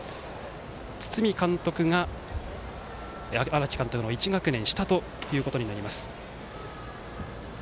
堤監督が、荒木監督の１学年下ということになります。